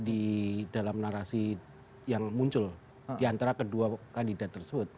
di dalam narasi yang muncul diantara kedua kandidat tersebut